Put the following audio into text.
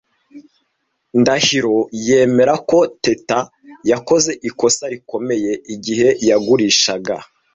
Ndahiro yemera ko Teta yakoze ikosa rikomeye igihe yagurishaga